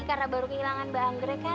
karena baru kehilangan mbak anggrek kan